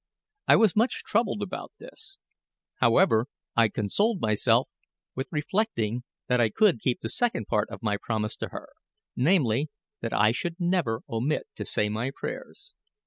I was much troubled about this. However, I consoled myself with reflecting that I could keep the second part of my promise to her namely, that I should never omit to say my prayers.